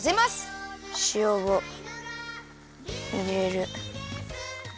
しおをいれる。